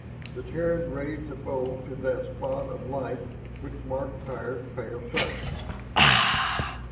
The Terran raised the bowl to that spot of light which marked Tyr's pale sun.